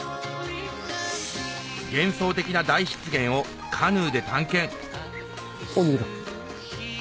幻想的な大湿原をカヌーで探検あっ逃げた。